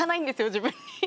自分に。